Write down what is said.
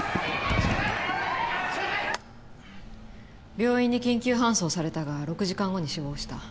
病院に緊急搬送されたが６時間後に死亡した。